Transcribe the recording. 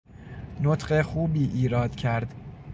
نطق خوبی ایراد کرد